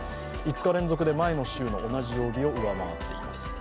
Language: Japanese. ５日連続で前の週の同じ曜日を上回っています。